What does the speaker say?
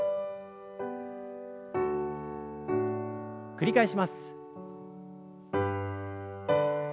繰り返します。